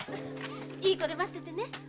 いい子で待っててね。